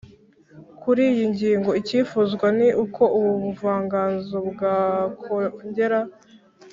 kuri iyi ngingo, icyifuzwa ni uko ubu buvanganzo bwakongera